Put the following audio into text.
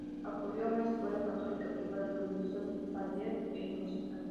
Acudió a una escuela católica privada, donde hizo ballet e música.